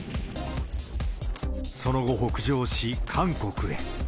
その後北上し、韓国へ。